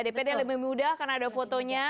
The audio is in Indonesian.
dpd lebih mudah karena ada fotonya